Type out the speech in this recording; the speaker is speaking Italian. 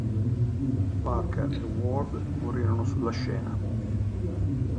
Parker e Ward morirono sulla scena.